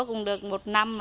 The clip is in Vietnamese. cũng được một năm